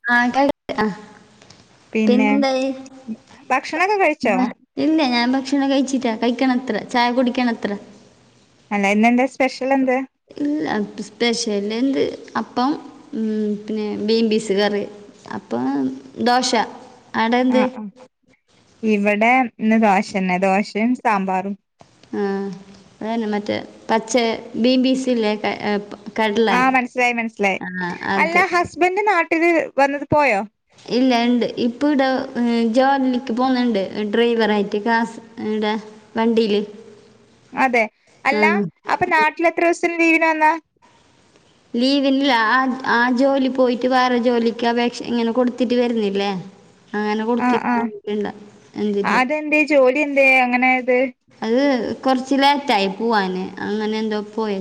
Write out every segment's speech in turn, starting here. [unintelligible] പിന്നെ പിന്നെന്തായി ഭക്ഷണൊക്കെ കഴിച്ചോ? ആ, ഇല്ല ഞാൻ ഭക്ഷണം കഴിച്ചില്ല. കയ്ക്കണത്ര ചായ കുടിയ്ക്കണത്ര. അല്ല ഇന്നെന്താ സ്പെഷ്യൽ എന്ത്? ഇല്ല സ്പെഷ്യല് എന്ത് അപ്പം പിന്നെ ബീംബിസ് കറി. അപ്പം ദോശ അവിടെ എന്ത് ആഹ അഹ ഇവടെ ഇന്ന് ദോശന്നെ ദോശെം സാമ്പാറും. ആഹ അതന്നെ മറ്റേ പച്ച ബീംബീസ് ല്ലേ ആഹ മനസ്സിലായി മനസ്സിലായി. അല്ല അത് ഹസ്ബൻഡ് നാട്ടില് വന്നത് പോയോ? ഇല്ല ഇണ്ട് ഇപ്പ ഇടെ ജോലിക്ക് പോകുന്നുണ്ട്. ഡ്രൈവറായിട്ട് കാസ് ഇടെ വണ്ടില് അതെ അല്ല അപ്പം നാട്ടില് എത്ര സത്തിന് ലീവിന് വന്നാ ലീവിന് ല്ല അഹ ആ ജോലി പോയിട്ട് വേറെ ജോലിയ്ക്ക് അപേക്ഷ ഇങ്ങനെ കൊടുത്തിട്ട് വരുന്നില്ലേ. അങ്ങനെ ആഹ് ആഹ് കൊടുത്തിട്ടില്ല എന്തിൻ്റെ അതെന്തേ ജോലി എന്തേ അങ്ങനായത് അത് കൊറച്ച് ലേറ്റായി പോവാന് അങ്ങനെ എന്തോ പോയെ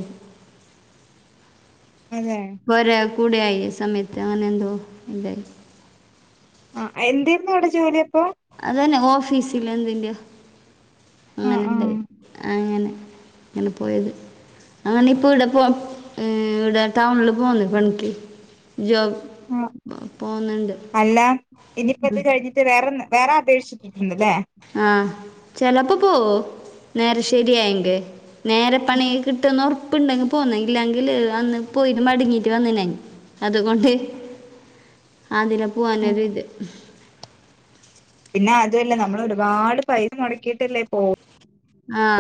അതെ പൊര കൂടെയായി സമയത്ത് അങ്ങനെ എന്തോ എന്തായി ആഹ എന്തേര്ന്നു അവടെ ജോലി അപ്പം? അതന്നെ ഓഫീസില് എന്തിൻ്റയൊ ആഹ് ആഹ് അങ്ങനെണ്ടായി അങ്ങനെ അങ്ങനെ പോയത്. അങ്ങനെ ഇപ്പം ഇവിടെ പോവും ഇവിടെ ടൗണില് പോകുന്നു. പണിയ്ക്ക് ജോബ് ആഹ പോകുന്നുണ്ട് അല്ല ഇനിപ്പത് കഴിഞ്ഞി ട്ട് വേറൊന്ന് വേറെ അപേക്ഷിച്ചിട്ടുണ്ട്ല്ലേ ആഹ ചെലപ്പം പോവു നേരം ശരിയായെങ്കി നേരെ പണി കി ട്ടുന്ന് ഒറപ്പുണ്ടെങ്കി പോവുന്ന ഇല്ലങ്കി അന്ന് പോയിട്ട് മടങ്ങിട്ട് വന്ന്ണെ അതുകൊണ്ട് [inaudible] അതിലെ ആ പോവാനൊരു ഇത് പിന്നെ അതുവല്ല നമ്മൾ ഒരുപാട് പൈസ മൊടക്കീട്ടല്ലേ പോ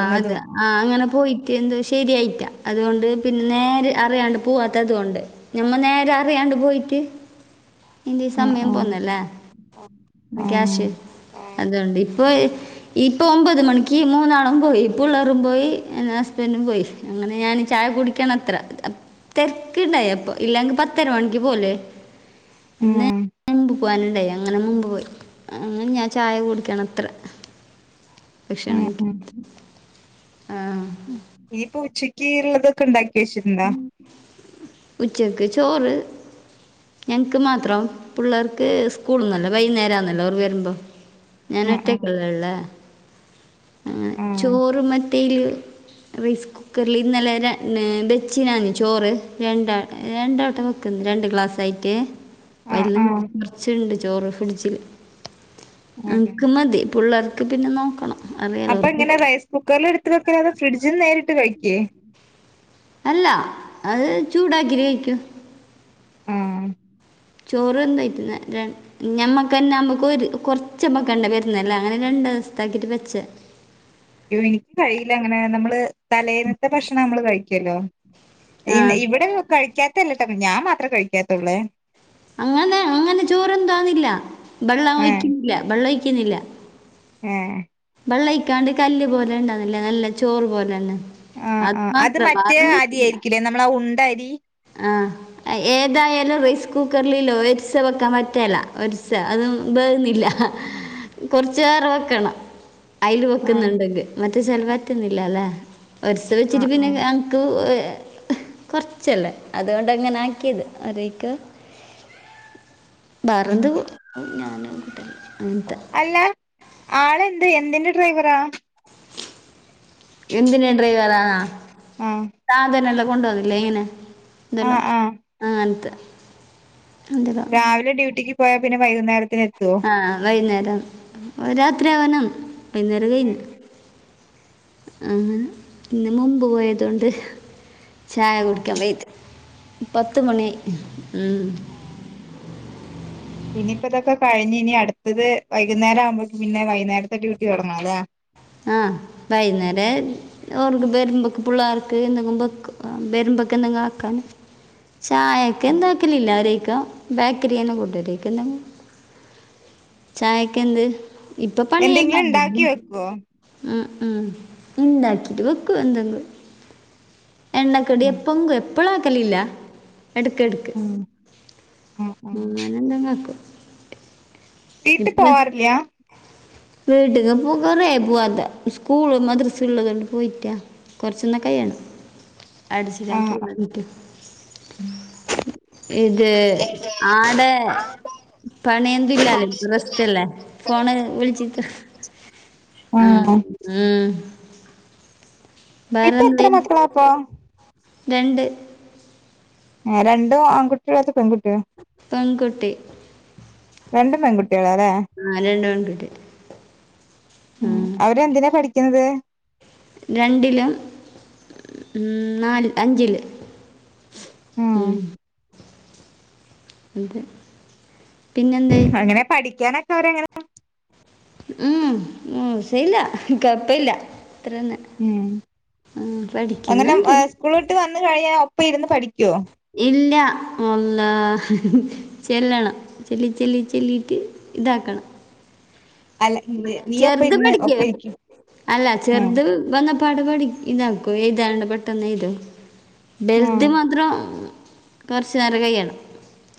വുന്നതും. ആഹ അങ്ങനെ പോയിട്ട് എന്തോ ശരിയായില്ല അതുകൊണ്ട് പിന്നെ നേരെ അറിയാണ്ട് പോവാത്ത അതുകൊണ്ട്. നമ്മ നേര അറിയാണ്ട് പോയിട്ട് ഇന്റെ ഈ ആഹ് സമയം ആഹ് പോന്നല്ലേ ഇത് ക്യാഷ് അതോണ്ട് ഇപ്പൊ ഇപ്പൊ ഒമ്പത് മണിക്ക് മൂന്നാളും പോയി പുള്ളേരും പോയി. എന്റെ ഹസ്ബൻറും പോയി. അങ്ങനെ ഞാന് ചായ കുടിക്ക യ്ക്കണത്രെ തരക്ക്ണ്ടായി അപ്പ ഇല്ലെങ്കി പത്തര മണിക്ക് പോല്ല് ആഹ് ഇന്ന് ആഹ് മുൻപ് പോകാനുണ്ടായി അങ്ങനെ മുൻപ് പോയി അങ്ങനെ ഞാൻ ചായ കുടിയ്ക്കാണ് അത്രെ. ഭക്ഷണം ആഹ് കയ്ക്ക ആഹ് ആഹ ഇയ്യ് പ്പ ഉച്ചയ്ക്ക് ഉള്ളതൊക്കെ ഇണ്ടാക്കി വെച്ചിട്ടുണ്ടൊ? ഉച്ചക്ക് ചോറ് ഞങ് ക്ക് മാത്രം പുള്ളേർക്ക് സ്കൂൾന്നല്ലെ വൈന്നേരാന്നല്ലോ അവർ വര്മ്പം ഞാൻ ആഹ് ആഹ് ഒറ്റയ്ക്കല്ലെള്ളേ അങ്ങനെ ആഹ് ചോറ് മറ്റെയ്ല് റൈസ് കു കുക്കറ്ല് ഇന്നലെ ര ബെച്ചി ഞാന് ചോറ് രണ്ടാ രണ്ട് വട്ടം വെ ക്കുന്ന് രണ്ട് ഗ്ലാസ് ആയിട്ട് അപ്പം ആഹ് എല്ലം ആഹ് കൊർച്ചുണ്ട് ചോറ് ഫ്രിഡ്ജില് അതെ ഞങ്ങക്ക് മതി പുള്ളേർക്ക് പിന്നെ നോ അപ്പ എങ്ങനെ റൈസ് കുക്കറ്ല് ഇട്ത്ത് വെക്കലൊ അതൊ ഫ്രിഡ്ജിന്ന് നേരിട്ട് കഴിയ്ക്ക്യേ അല്ല അത് ചൂടാക്കിട്ട് കഴിക്കും ആഹ് ചോറ് വെന്തഴറ്റുന്ന ര ഞമ്മക്കന്നെ നമ്മക്ക് ഒര് കൊർച്ചമ്മക്കണ്ട വര്ന്നല്ലേ അങ്ങനെ രണ്ട്സ്ത്താക്കിട്ട് ബെച്ച് എനിക്ക് കഴിയില്ല അങ്ങനെ നമ്മള് തലേന്നത്തെ ഭക്ഷണം നമ്മള് കഴിക്കോല്ലോ ഇ ആ ഇവിടെ കഴിക്ക്യാത്തല്ലട്ടോ ഞാൻ മാത്രേ കഴിക്ക്യാത്തൊള്ളേ അങ്ങനെ അങ്ങനെ ചോറെന്തോന്നില്ല ബെള്ളം ഏഹ് ഒഴിക്കുന്നില്ല ബെള്ളം ഒഴിക്കുന്നില്ല ഏഹ് ബെള്ളയ്ക്കാണ്ടെ കല്ല് പോലെ ഇണ്ടന്നല്ലേ നല്ല ചോറ് പോലെന്നെ അത് മാത്രം വാ [unintelligible] ല്ലേ നമ്മളാ ഉണ്ടരി ആഹ് ഏതായാലും റൈസ് കുക്കറർല് ഒരിസ് വെക്കാം പറ്റ്ല്ല ഒരിസ അതും ബേവ്ന്നില്ല ഏഹ് കൊർച്ച് ഏറെ വെക്കണം അയിൽ ആഹ് വെക്ക്ന്ന്ണ്ടെങ്കി മറ്റേച്ചാൽ വറ്റുന്നില്ലല്ലേ ഒര്സ വെച്ചിട്ട് ആഹ് പിന്നെ ആഹ് ഞ [unintelligible] കുറച്ച് ച്ചല്ലേ അതോണ്ടാ ഇങ്ങനെ ആക്കിയത് അതൊയികാ ബാറെന്ത് ഞാനും [unintelligible] അങ്ങൻത്തെ അല്ല ആളെന്ത് എന്തിന്റെ ഡ്രൈവറാ എന്ത്ന്റെ ഡ്രൈവറാന്ന ആഹ് സാധനെല്ലം കൊണ്ടോവുന്നില്ലേ ഏങ്ങനെ ആഹ് എന്തെല്ലാം ആഹ് ആ അൻത്തെ എന്ത രാവിലെ ഡ്യൂട്ടിക്ക് പോയാ പിന്നെ വൈകുന്നേരത്തിന് എത്തോ ആഹ് വൈകുന്നേരം രാത്രി ആവനം വൈകുന്നേരം കഴ്ന്ന് ആഹ് ആഹ് ഇന്ന് മുമ്പ് പോയതോണ്ട് ചായ കുടിക്കാൻ വൈത്ത് പത്ത് മണിആയി ഉം ആഹ് ഇനിയിപ്പ ഇതൊക്കെ കഴിഞ്ഞ് ഇനി അടുത്തത് വൈകുന്നേരാവുമ്പോക്ക് പിന്നെ വൈകുന്നേരത്തെ ഡ്യൂട്ടി തൊടങ്ങണംല്ലേ ആഹ് വൈന്നേരൽ ഓർക്ക് ബരും പക്ക് പുള്ളാർക്ക് എന്തെങ്കും ബക്ക് ബരുംമ്പക്ക് എന്തെങ്ക് ആക്കാന് ചായക്ക് എന്താക്കല് ഇല്ല അവരേക്കാ ബേക്കറിനെന്നും കൂട്ടരേക്കും എന്തെങ്കും ചായക്ക് എന്ത് ഇപ്പ എന്തെങ്കിലും പണിയല്ലാം ഉണ്ടാക്കി ഇന്നുണ്ട് വെക്കുവോ ആഹ് ആഹ് ഇണ്ടാക്കിട്ട് വക്കു എന്തങ്കും എണ്ണക്കടി ആഹ് എപ്പങ്കൊ എപ്പളാക്കലില്ല എടക്കട്ക്ക് ഉം അങ്ങനന്തങ്കാക്കും വീട്ടി ഇസ്ബെ പോവാറില്ല വീട്ടക്ക് ഇപ്പ കുറേഅയി പോവാതെ സ്കൂള് മദ്രസ് ഉള്ളതോണ്ട് പോയിറ്റാ കൊർച്ചൊന്ന് കയ്യണം അട്ച്ചരാൻ ആഹ് ആഹ് പോവ്റ്റ ഇത് ആടെ പണിയെന്തുല്ലാല്ലേ ബസ്റ്റ്ല്ലേ ഫോണ് വിളിച്ചിട്ട് ആഹ് ഉം ഇപ്പൊ എത്ര മക്കളാപ്പോ രണ്ട് ഏഹ് രണ്ട് ആൺകുട്ടിയോ അതൊ പെങ്കുട്ടിയോ പെങ്കുട്ടി രണ്ടും പെങ്കുട്ടിയള്ലേ ആ രണ്ട് പെൺകുട്ടി ഉം ആഹ് അവരെന്തിനാ പഠിക്കുന്നത് രണ്ടിലും നാല് അഞ്ചില് ഉ ഉം അതെ പിന്നെന്തേ എങ്ങനെ പഠിക്കാനൊക്കെ അവരെങ്ങനെ ഉം മോശയില്ല കൊയപ്പയില്ല അത്രന്നെ ഉം ആ പഠിക്കുന്നണ്ട് സ്കൂള് വിട്ട് വന്ന കഴിഞ്ഞാൽ അപ്പം ഇരുന്ന് പഠിക്കുവോ ഇല്ല ഒന്ന് ചെല്ലണം ചെല്ലി ചെല്ലി ചെല്ലിയിട്ട് ഇതാക്കണം അല്ല നീ അപ്പ ചെറുത് ഇരുന്ന് പടിക്ക ഒപ്പ ഇരിക്കും അല്ല ഉം ചെറുത് വന്ന പാട് പടി ഇതാക്കു എഴുതാനുള്ള പെട്ടന്ന് എഴുതും വലുത് ഉം മാത്രം കൊറച്ചനരം കൈയണം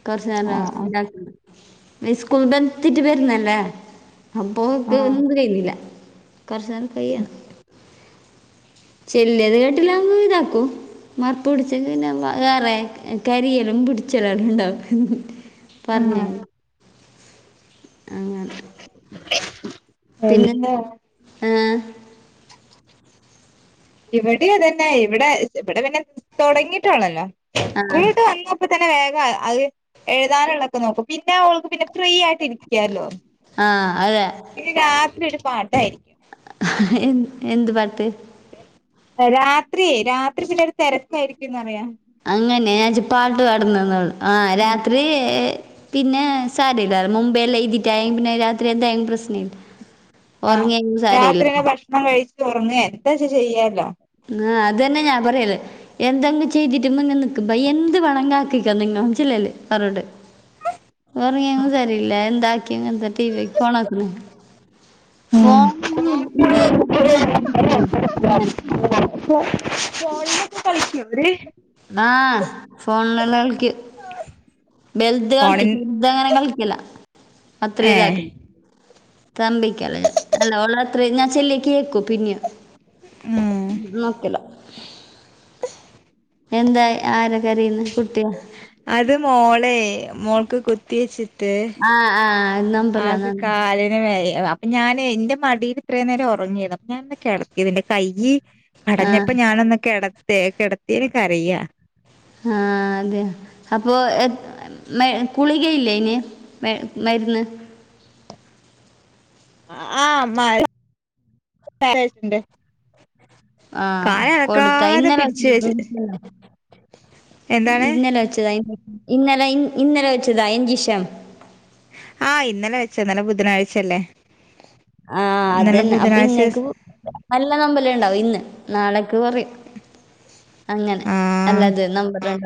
കൊറച്ചുനരം ആഹ് ആഹ് ഉണ്ടാക്കണം സ്കൂൾ [unintelligible] വരുന്നല്ലേ അപ്പോഓൾക് ആഹ് ഒന്നും കഴുന്നില്ല കുറച്ച് നേരം കൈ്യണം ചെല്ലത് കേട്ടില്ല്പ ഇതാക്കൂ മറുപ്പ് പിടിച്ച പിന്നെ വേറെ കരിയല്ലും പിടിച്ചലല്ലാം ഉണ്ട പറഞ്ഞ ആഹ് അങ്ങെ മ്മ്മ് പിന്നെന്താ ഏഹ ഇവിടെയ തന്നെ ഇവിടെ ഇവിടെ പിന്നെ തുടങ്ങിയിട്ടാണല്ലോ ആ സ്കൂളിലട്ട് വന്ന ഇപ്പ തന്നെ വേഗം അത് എഴുതാനുള്ളൊക്കെ നോക്കും പിന്നെ അവക്ക് പിന്നെ ഫ്രീ ആയിട്ട് ഇരിക്കല്ലോ ആ അതെ ഇ രാത്രി ഒരു പാട്ടായിരിക്കും എന്ത് പാട്ട് രാത്രി രാത്രി പിന്നെരു തിരക്കായിരിക്കുംന്ന്റിയ അങ്ങനെ ഞാൻ വിചാരിച്ചു പാട്ട് പാടുന്നു രാത്രി പിന്നെ സാരമല്ല മുമ്പൈ എല്ലാം എഴതിട്ടായ പിന്നെ രാത്രി എന്തായങ്കും പ്രശ്നമില്ല ആഹ് ഉറങ്ങിയ സാരല്ല രാത്രിന്നെ ഭക്ഷണം കഴിച്ചു ഒറങ്ങ എന്താച്ച ചെയ്യാലോ ആ് അത് തന്നെ ഞാൻ പറയലേ എന്തെങ്ങ് ചെയ്തിട്ടുമ്പോ നിക്കക്കുമ്പ എന്ത് പണം കാക്കിക്കാം നിങ്ങ മനിലല്ലേ പറോട്ട് ഉറങ്ങിയും സരില്ല എന്താക്കി എന്താ ടി ആഹ് വിക്ക് ഓണക്കുന്ന ഫോ [unintelligible] ഫോണിലൊക്കെ കളിക്കോ ഇവര് ആഹ് ഫോണിലൊക്കെ കളിക്കും ബെൽത്ത് ഫോണിൻ കളിക്കും ചറത് അങ്ങനെ കളിക്കല അത്ര ഏഹ് ഇതാക്കില്ല തമ്പിക്കല്ല അല്ല ഉള്ള അത്ര ഞാൻ ചെല്ലേക്ക് കേക്കു പിന്നെ ഉം നക്കല്ല എന്താ ആര കരയുന്ന് കുട്ടിയ അത് മോളെ മോൾക്ക് കുത്തി വെച്ചിട്ട് ആഹ ആഹ് ആക്ക് കാല് അപ്പ ഞാനെ ഇന്റെ മഡീല് ഇത്രയും നേരം ഒറങ്ങിരുന്നു അപ്പൊ ഞാന് ക്കെടതെത് ഇന്റെ കയ്യ് ആ കടഞ്ഞപ്പ ഞാനൊന്ന് കെടത്തെ കെടതെന് കരയ ആഹ് അതെ അപ്പോൾ എ മേ കുളികയില്ലയ്ന് മേര്ന്ന് ആഹ് മ [unintelligible] ആഹ് കൊടുത്ത കാലനക്കാതെ ഇന്ന പിടിച്ച് വെച്ച് [unintelligible] എന്താണ് ഇന്നലെ വെച്ചതാ ഇ ഇന്നലെ ഇ ഇന്നലെ വെച്ചതാ എഞ്ചിഷം ആഹ് ഇന്നലെ വേച്ച ഇന്നലെ ബുധനാഴ്ച എല്ലേ ആഹ് ഇന്നലെ അതന്നെ അപ്പ ഇന്നേക്കു നല്ല നമ്പല് ഇണ്ടാവും ഇന്ന് നാളക്ക് കൊറിം അങ്ങനെ അല്ല ആഹ് അതെ നമ്പർ രണ്ട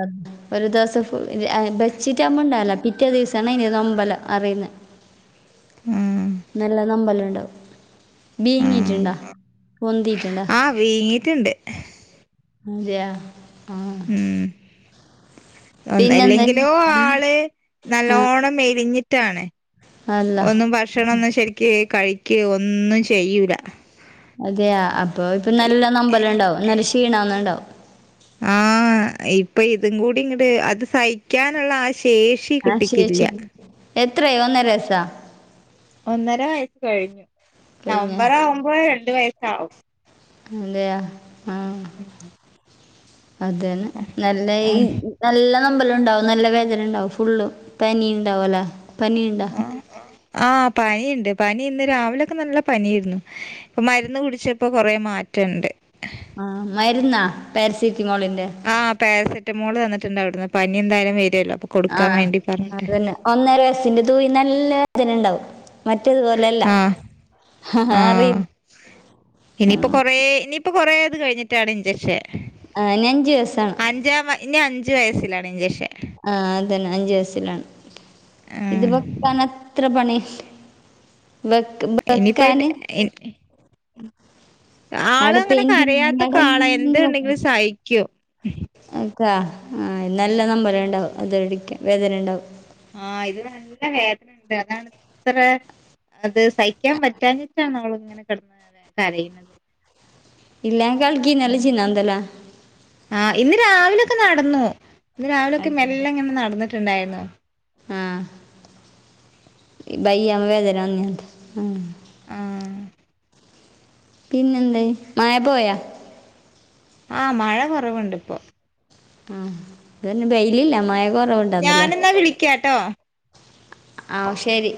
ഒരു ദിവസം ഫു ബെച്ചിട്ട അമ്മണ്ടല്ല പിറ്റേ ദിവസണ അയിന് ന്നമ്പല അറിയ്ന്ന നമ്മ് നല്ല ന്നമ്പല് ബീങ്ങിട്ട്ണ്ടാ പെന്തിട്ട്ണ്ടോ ആഹ് വീങ്ങിട്ട്ണ്ട് അതെയ ആഹ് ഉം പിന്നെന്താ അല്ലെങ്കിലോ ആള് ആഹ്. നല്ലോണ്ണം മെലിഞ്ഞിട്ടാണ് അള്ളാ. ഒന്നും ഭക്ഷണം ഒന്ന് ശരിക്ക് കഴി കെ ഒന്നും ചെയ്യൂല അതെയ അപ്പൊ ഇപ്പൊ നല്ല നമ്പലം ഉണ്ടാവും നല്ല ക്ഷീണന്നുണ്ടാവും ആഹ് ഇപ്പ ഇതും കൂടി ഇങ്ങട്ട് അത് സഹിക്കാനുള്ള ആ ശേഷി ആഹ് ചോച്ചി കുട്ടിക്കില്ല എത്രയ് ഒന്നരയ്സ്സ ഒന്നര വയസ് കഴിഞ്ഞു കഴിഞ്ഞ. നവംബർ ആവുമ്പോ രണ്ടു വയസ്സാവും അതെയ ആഹ് [inaudible] അതന്നെ നല്ല ഈ നല്ല നമ്പലം ഉണ്ടാവും നല്ല വേദന ഉണ്ടാവും ഫുള്ള് പനി ഉണ്ടാവല്ല പനി ഇണ്ട ആഹ് ആഹ് പനിണ്ട് പനി ഇന്ന് രാവിലെക്കെ നല്ല പനിരുന്നു ഇപ്പ മരുന്ന് കുടിച്ചപ്പോ കൊറേ മാറ്റണ്ട് ആഹ് മര്ന്നാ പാരസിറ്റിമോളിന്റെ ആഹ് പേരസിറ്റമോള് തന്നിട്ടുണ്ടാവിടന്ന് പനി എന്തായാലും വരല്ലോ അപ്പൊ കൊടുക്കാൻ ആഹ് വേണ്ടി പറഞ്ഞിട്ട് അതന്നെ ഒന്നര വയസ്സിന്റെ തൂയി നല്ല വേദണ്ടാവും മറ്റേ ഇതുപോലല്ല ആ ആ അറി ഇനിയിപ്പൊ കൊറേ ഇനിയിപ്പൊ കൊറേ ഇത് കഴിഞ്ഞിട്ടാണ് ഇഞ്ചക്ഷൻ ആഹ് ഇനി അഞ്ച് വസാണ് അഞ്ചാം ഇനി അഞ്ച് വയസ്സിലാണ് ഇഞ്ചക്ഷൻ ആഹ് അതന്നെ അഞ്ചു വയസ്സിലാണ് ഇത് വെക്കാൻ അത്ര പണി വെക്ക വെക്കാന് ഇനി അടെ അങ്ങനെ പെനി കരയാത്ത ഇങ്ങട ആളാ ഇങ്ങന എന്തുണ്ടെങ്കിലും സഹിക്കും ക്കാ ആഹ് നല്ല നമ്പലം ഉണ്ടാവും അതടിക്ക് വേദന ഉണ്ടാവും ആഹ് ഇത് നല്ല വേദനണ്ട് അതാണ് ഇത്ര അത് സഹിക്യാൻ പറ്റാഞ്ഞിട്ടാണ് ഓള് ഇങ്ങനെ കെടന്ന് കരയ്ണ ഇല്ല കലക്കി നല്ല ജിന്നാന്തല്ല ആഹ് ഇന്ന് രാവിലെക്കെ നടന്നു ഇന്ന് അതെ രാവിലൊക്കെ മെല്ല ഇങ്ങനെ നടന്നിട്ടുണ്ടായിരുന്നു ആഹ് ബയ്യമ്മ വേദന വന്നേനു ആഹ് ആഹ് പിന്നെന്തയ് മഴ പോയോ? ആഹ് മഴ കൊറവ്ണ്ട് ഇപ്പൊ ആഹ് ഇതന്നെ ബെയ്ലില്ല മഴ കൊറവുണ്ടന്നല്ലോ ഞാനെന്നാ വിളിക്കാട്ടോ ആഹ് ശരി